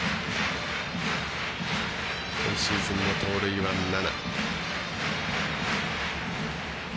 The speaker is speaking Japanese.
今シーズンの盗塁は７。